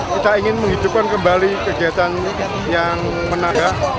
kita ingin menghidupkan kembali kegiatan yang menanda